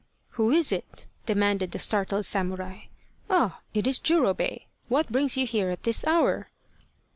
" Who is it ?" demanded the startled samurai. " Ah it is Jurobei ! What brings you here at this hour